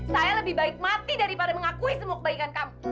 saya lebih baik mati daripada mengakui semua kebaikan kamu